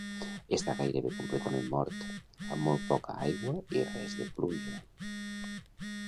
Està gairebé completament mort, amb molt poca aigua i res de pluja.